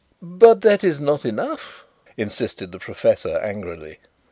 "But that is not enough," insisted the professor angrily.